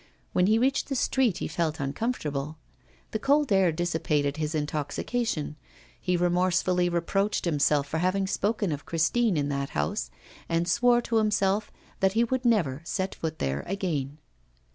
When he reached the street he felt uncomfortable. The cold air dissipated his intoxication; he remorsefully reproached himself for having spoken of Christine in that house, and swore to himself that he would never set foot there again.